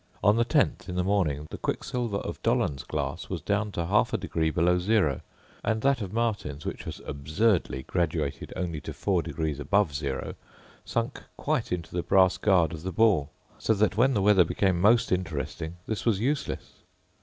On the 10th, in the morning, the quicksilver of Dollond's glass was down to half a degree below zero; and that of Martin's, which was absurdly graduated only to four degrees above zero, sunk quite into the brass guard of the ball; so that when the weather became most interesting this was useless.